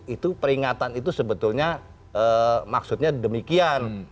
itu peringatan itu sebetulnya maksudnya demikian